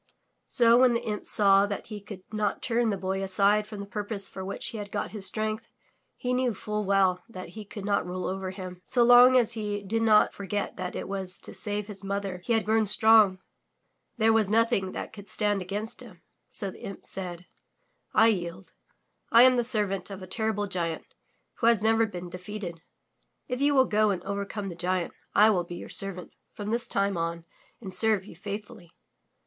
So, when the imp saw that he could not turn the Boy aside from the purpose for which he had got his strength, he knew full well that he could not rule over him. So long as he did not for get that it was to save his mother he had grown strong, there was nothing that could stand against him. So the imp said: I yield. I am the servant of a terrible giant who has never been defeated. If you will go and overcome the giant, I will be your servant from this time on and serve you faithfully."